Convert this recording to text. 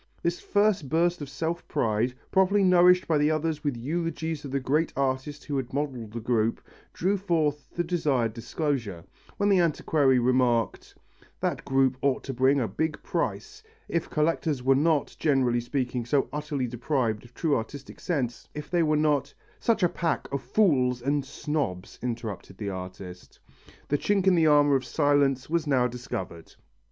This first burst of self pride, properly nourished by the other with eulogies of the great artist who had modelled the group, drew forth the desired disclosure. When the antiquary remarked: "That group ought to bring a big price. If collectors were not, generally speaking, so utterly deprived of true artistic sense, if they were not " "Such a pack of fools and snobs," interrupted the artist. The chink in the armour of silence was now discovered.